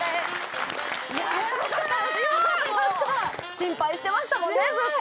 心配してましたもんねずっと。